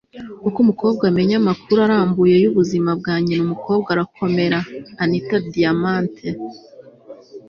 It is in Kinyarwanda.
uko umukobwa amenya amakuru arambuye y'ubuzima bwa nyina umukobwa arakomera - anita diamant